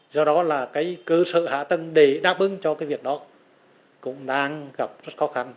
do đó là cái cơ sở hạ tân để đáp ứng cho cái việc đó cũng đang gặp rất khó khăn